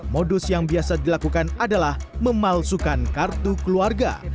modus yang biasa dilakukan adalah memalsukan kartu keluarga